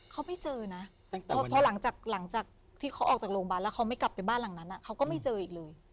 เขาไม่เจอนะพอหลังจากที่เขาออกจากโรงพยาบาลแล้วเขาไม่กลับไปบ้านหลังนั้นเขาก็ไม่เจออีกเลย